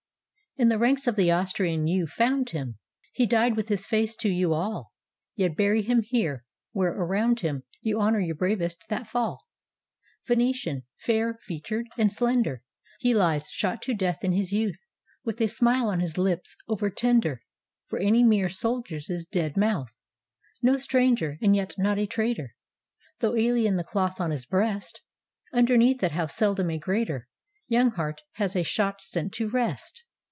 ] In the ranks of the Austrian you found him. He died with his face to you all; Yet bury him here where around him You honor your bravest that fall. Venetian, fair featured and slender, He lies shot to death in his youth, With a smile on his Hps over tender For any mere soldier's dead mouth. No stranger, and yet not a traitor, Though alien the cloth on his breast, Underneath it how seldom a greater Young heart has a shot sent to rest!